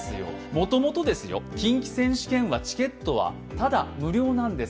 もともと、近畿選手権はチケットは、無料なんです。